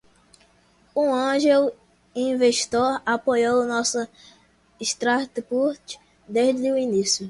Um angel investor apoiou nossa startup desde o início.